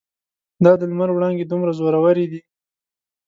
دا د لمر وړانګې دومره زورورې دي.